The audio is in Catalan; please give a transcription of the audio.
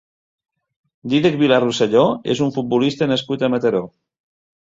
Dídac Vilà Rosselló és un futbolista nascut a Mataró.